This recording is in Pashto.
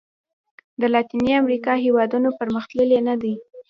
د لاتیني امریکا هېوادونو پرمختللي نه دي.